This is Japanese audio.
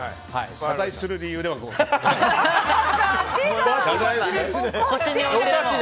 謝罪する理由ではございません。